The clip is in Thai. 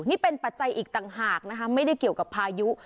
นี่เป็นปัจจัยอีกต่างหากนะคะไม่ได้เกี่ยวกับพายุ